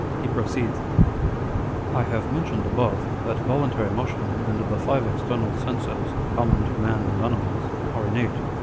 He proceeds â€" " I have mentioned above, that voluntary motion and the Jive external senses, common to man and animals, are innate.